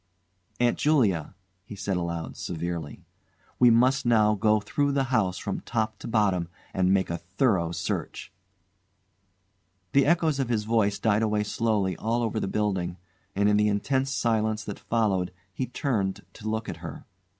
"Aunt Julia," he said aloud, severely, "we must now go through the house from top to bottom and make a thorough search." The echoes of his voice died away slowly all over the building, and in the intense silence that followed he turned to look at her.